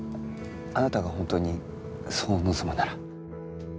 あなたが本当にそう望むなら。